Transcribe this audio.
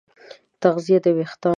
تغذیه د وېښتیانو ودې ته مهمه ده.